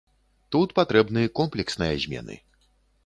Тут патрэбны комплексныя змены.